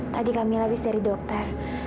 tadi kamila habis dari dokter